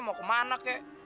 mau kemana kek